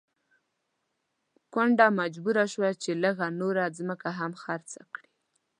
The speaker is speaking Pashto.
کونډه مجبوره شوه چې لږه نوره ځمکه هم خرڅه کړي.